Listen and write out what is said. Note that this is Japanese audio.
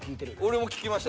俺も聞きました。